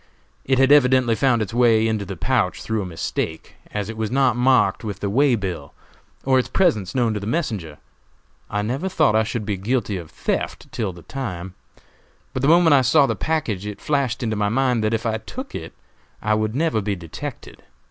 It had evidently found its way into the pouch through a mistake, as it was not marked on the way bill, or its presence known to the messenger. I never thought I should be guilty of theft till the time; but the moment I saw the package it flashed into my mind that if I took it I would never be detected.